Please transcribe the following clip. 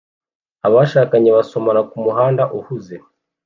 Abashakanye basomana kumuhanda uhuze